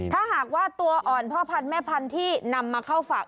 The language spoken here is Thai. ถ้าหากว่าตัวอ่อนพ่อพันธุ์แม่พันธุ์ที่นำมาเข้าฝาก